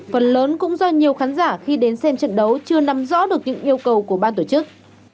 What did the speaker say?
phần lớn cũng do nhiều khán giả khi đến xem trận đấu chưa nắm rõ được những yêu cầu của ban tổ chức